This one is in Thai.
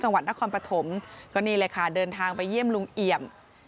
จังหวัดนครปฐมก็นี่เลยค่ะเดินทางไปเยี่ยมลุงเอี่ยม